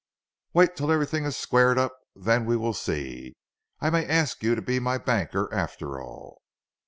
"Wait till everything is squared up, then we will see. I may ask you to be my banker after all.